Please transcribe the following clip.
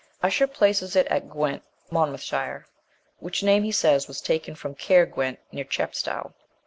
Usher places it at Gwent, Monmouthshire, which name, he ways, was taken from Caer Went, near Chepstow.